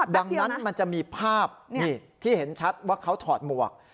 ดังนั้นมันจะมีภาพที่เห็นชัดว่าเขาถอดหมวก